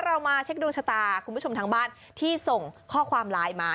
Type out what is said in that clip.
เรามาเช็คดวงชะตาคุณผู้ชมทางบ้านที่ส่งข้อความไลน์มา